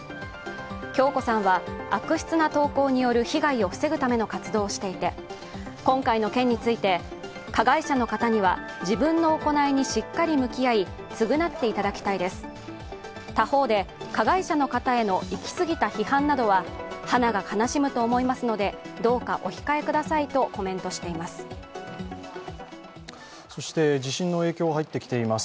響子さんは悪質な投稿による被害を防ぐための活動をしていて今回の件について、加害者の方には自分の行いにしっかり向き合い、償っていただきたいです、他方で、加害者の方への行き過ぎた批判などは花が悲しむと思いますのでどうかお控えくださいとコメントしています。